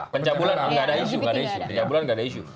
pencabulan nggak ada isu